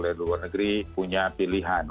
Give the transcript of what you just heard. dari luar negeri punya pilihan